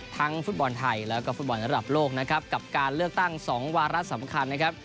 ฟุตบอลไทยแล้วก็ฟุตบอลระดับโลกนะครับกับการเลือกตั้ง๒วาระสำคัญนะครับ